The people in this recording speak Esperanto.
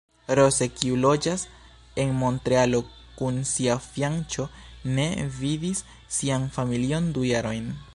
Rose, kiu loĝas en Montrealo kun sia fianĉo, ne vidis sian familion du jarojn.